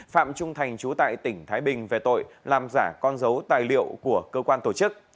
phạm trung thành chú tại tỉnh thái bình về tội làm giả con dấu tài liệu của cơ quan tổ chức